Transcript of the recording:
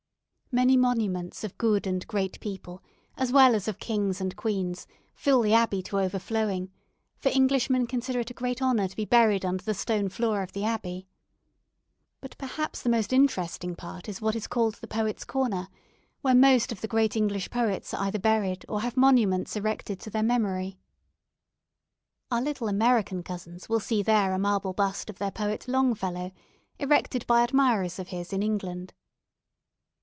Many monuments of good and great people, as well as of kings and queens, fill the Abbey to overflowing; for Englishmen consider it a great honour to be buried under the stone floor of the Abbey. But perhaps the most interesting part is what is called the "Poets' Corner," where most of the great English poets are either buried, or have monuments erected to their memory. Our little American cousins will see there a marble bust of their poet Longfellow, erected by admirers of his in England.